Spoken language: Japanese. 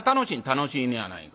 「楽しいのやないか。